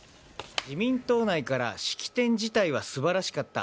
自民党内から式典自体は素晴らしかった。